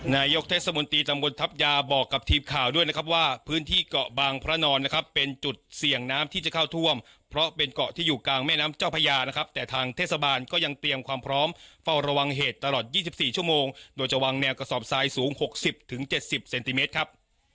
นายกเทศมนตรีตำบลทัพยาบอกกับทีมข่าวด้วยนะครับว่าพื้นที่เกาะบางพระนอนนะครับเป็นจุดเสี่ยงน้ำที่จะเข้าท่วมเพราะเป็นเกาะที่อยู่กลางแม่น้ำเจ้าพญานะครับแต่ทางเทศบาลก็ยังเตรียมความพร้อมเฝ้าระวังเหตุตลอด๒๔ชั่วโมงโดยจะวางแนวกระสอบทรายสูง๖๐๗๐เซนติเมตรครับ